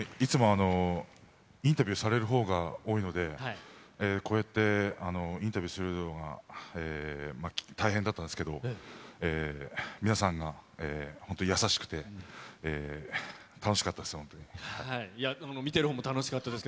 いつもインタビューされるほうが多いので、こうやってインタビューするような、大変だったんですけど、皆さんが本当、優しくて、楽しかったです。